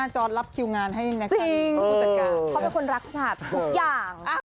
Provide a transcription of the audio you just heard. จอร์ดฝึกเต้น